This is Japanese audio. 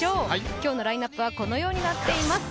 今日のラインナップはこのようになっています。